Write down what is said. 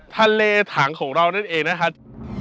ถังของเรานั่นเองนะครับ